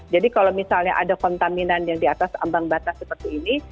jadi kalau misalnya ada kontaminan yang di atas ambang batas seperti ini